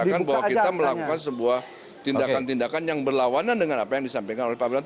mengatakan bahwa kita melakukan sebuah tindakan tindakan yang berlawanan dengan apa yang disampaikan oleh pak wiranto